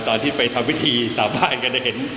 ตอนที่ไปทำวิธีต่อบ้านกัน